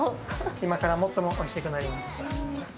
今からもっとおいしくなります。